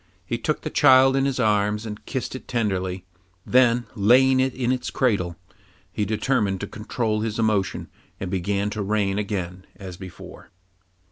He took the child in his arms and kissed it tenderly; then laying it in its cradle, he determined to control his emotion and began to reign again as before.